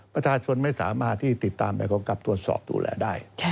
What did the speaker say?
ประชาชนไม่สามารถที่ติดตามใบกำกับตรวจสอบดูแลได้